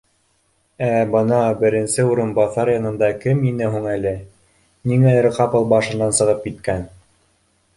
Ә бына беренсе урынбаҫар янында кем ине һуң әле? Ниңәлер ҡапыл башынан сығып киткән